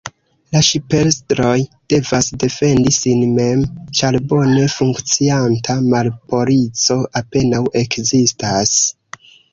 La ŝipestroj devas defendi sin mem, ĉar bone funkcianta marpolico apenaŭ ekzistas.